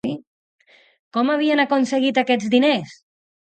Com havien aconseguit aquests diners?